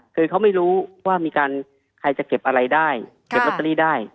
คือเขาไม่รู้ว่ามีการใครจะเก็บอะไรได้เก็บลอตเตอรี่ได้